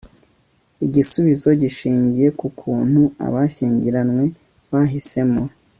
igisubizo gishingiye k'ukuntu abashyingiranywe bahisemo